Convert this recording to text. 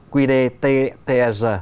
quy đề tts